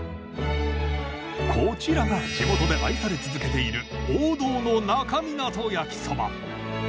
こちらが地元で愛され続けている王道の那珂湊焼きそば。